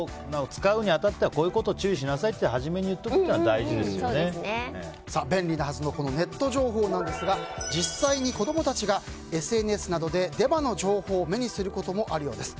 使うに当たってはこういうこと注意しなさいと便利なはずのネット情報なんですが実際に子供たちがＳＮＳでデマの情報を目にすることもあるそうです。